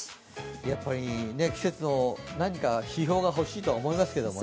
やっぱり季節の何か指標が欲しいと思いますけどもね。